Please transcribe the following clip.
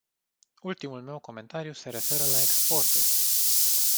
Ultimul meu comentariu se referă la exporturi.